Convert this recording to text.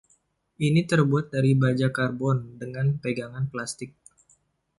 Ini terbuat dari baja karbon dengan pegangan plastik.